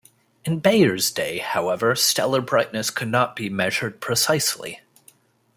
In Bayer's day, however, stellar brightness could not be measured precisely.